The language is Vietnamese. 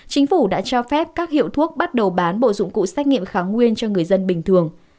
chính phủ đã cho phép các hiệu thuốc bắt đầu bán bộ dụng cụ xét nghiệm kháng nguyên cho người dân bình thường